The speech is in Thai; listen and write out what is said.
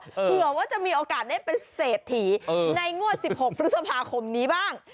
เผื่อว่าจะมีโอกาสได้เป็นเศรษฐีในงวด๑๖พฤษภาคมนี้บ้าง